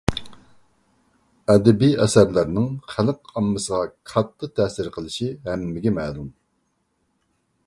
ئەدەبىي ئەسەرلەرنىڭ خەلق ئاممىسىغا كاتتا تەسىر قىلىشى ھەممىگە مەلۇم.